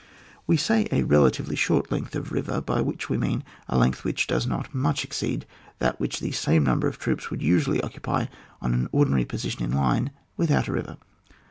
We say a relatively short length of the river, by which we mean a length which does not very much exceed that which the same number of troops would usually occupy on an ordinary position in line without a river.